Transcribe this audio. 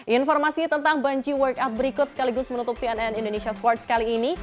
informasi tentang bungee work up berikut sekaligus menutup cnn indonesia sports kali ini